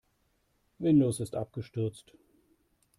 Windows ist abgestürzt.